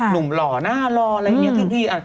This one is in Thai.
หนุ่มหล่อหน้ารออะไรอย่างเงี้ยทุกที